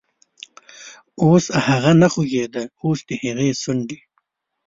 اوس هغه نه خوږیده، اوس دهغې شونډې،